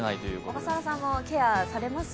小笠原さんもケアされます？